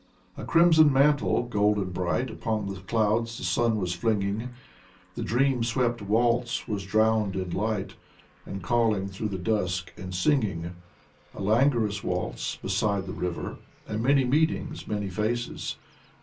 A crimson mantle, golden bright, Upon the clouds the sun was flinging; The dream swept waltz was drowned in light, And calling through the dusk and singing. A languorous waltz beside the river. And many meetings, many faces.